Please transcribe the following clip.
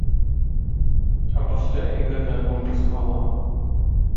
А пасля і гэтая думка сплыла.